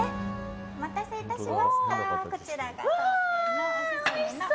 お待たせ致しました。